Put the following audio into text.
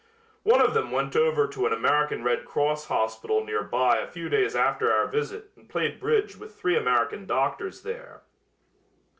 One of them went over to an American Red Cross hospital nearby a few days after our visit and played bridge with three American doctors there.